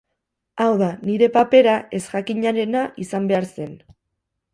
Hau da, nire papera ezjakinarena izan behar zen.